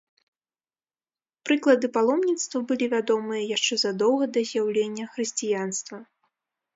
Прыклады паломніцтва былі вядомыя яшчэ задоўга да з'яўлення хрысціянства.